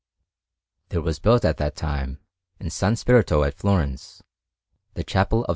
There was built at that time, in S. Spirito at Florence, the Chapel of S.